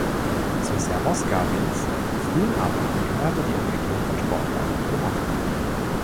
Zu Servoz-Gavins frühen Arbeiten gehörte die Entwicklung von Sportwagen für Matra.